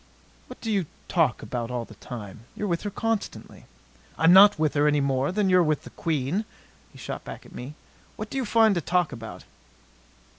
"What do you talk about all the time? You're with her constantly." "I'm not with her any more than you're with the Queen," he shot back at me. "What do you find to talk about?"